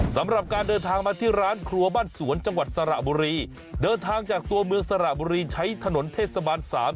สำหรับการเดินทางมาที่ร้านครัวบ้านสวนจังหวัดสระบุรีเดินทางจากตัวเมืองสระบุรีใช้ถนนเทศบาลสาม